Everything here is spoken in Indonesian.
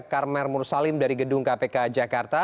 karmer mursalim dari gedung kpk jakarta